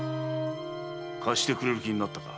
貸してくれる気になったか。